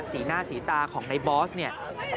สีหน้าสีตาของในบอสเนี่ย